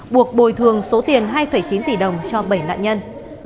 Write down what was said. buộc bồi thường số tiền hai chín tỷ đồng cho bảy nạn nhân